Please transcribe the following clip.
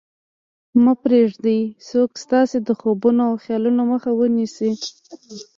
مه پرېږدئ څوک ستاسې د خوبونو او خیالونو مخه ونیسي